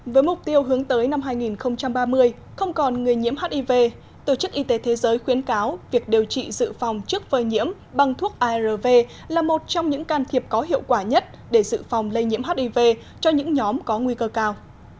với mục tiêu hướng tới năm hai nghìn ba mươi không còn người nhiễm hiv tổ chức y tế thế giới khuyến cáo việc điều trị dự phòng trước phơi nhiễm bằng thuốc arv là một trong những can thiệp có hiệu quả nhất để dự phòng lây nhiễm hiv cho những nhóm có nguy cơ cao